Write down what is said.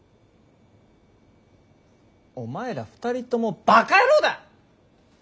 お前ら２人ともバカ野郎だ。